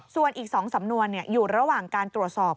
ส่วนอีก๒สำนวนอยู่ระหว่างการตรวจสอบ